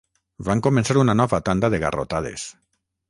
Van començar una nova tanda de garrotades.